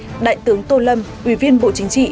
tuần qua tại hà nội đại tướng tô lâm ủy viên bộ chính trị